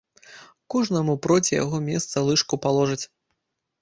Кожнаму проці яго месца лыжку паложыць.